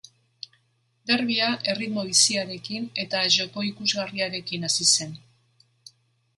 Derbia erritmo biziarekin eta joko ikusgarriarekin hasi zen.